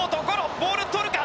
ボール捕るか？